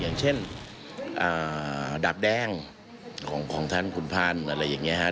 อย่างเช่นดาบแดงของท่านคุณพันธ์อะไรอย่างนี้ครับ